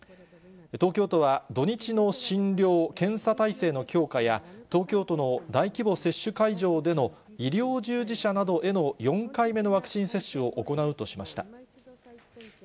東京都は土日の診療・検査体制の強化や、東京都の大規模接種会場での医療従事者などへの４回目のワクチン